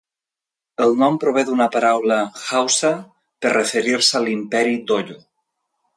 El nom prové d'una paraula haussa per referir-se a l'imperi d'Oyo.